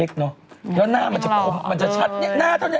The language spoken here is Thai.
แล้วหน้ามันจะชัดเนี่ย